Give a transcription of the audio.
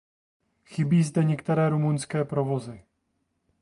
Chybí zde některé rumunské provozy.